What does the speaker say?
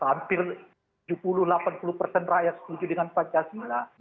hampir tujuh puluh delapan puluh persen rakyat setuju dengan pancasila